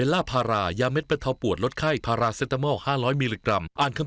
แล้วก็กลากัน